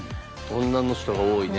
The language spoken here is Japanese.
女の人が多いね。